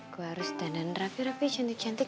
gue harus tedan rapi rapi cantik cantik